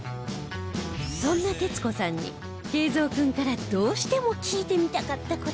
そんな徹子さんに桂三君からどうしても聞いてみたかった事が